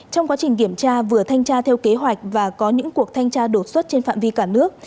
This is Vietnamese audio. trong quá trình kiểm tra vừa thanh tra theo kế hoạch và có những cuộc thanh tra đột xuất trên phạm vi cả nước